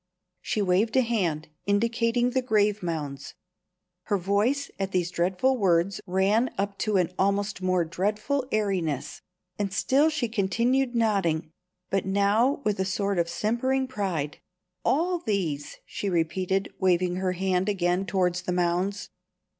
She waved a hand, indicating the grave mounds. Her voice, at these dreadful words, ran up to an almost more dreadful airiness; and still she continued nodding, but now with a sort of simpering pride. "All these," she repeated, waving her hand again towards the mounds.